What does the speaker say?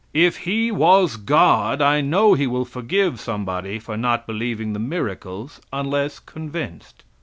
If He was God, I know he will forgive somebody for not believing the miracles, unless convinced.